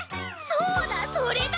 そうだそれだ！